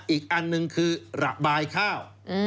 อีกอันหนึ่งคือระบายข้าว